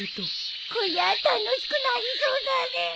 こりゃ楽しくなりそうだね。